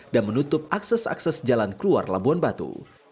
dan menutup akses akses jalan keluar labuan batu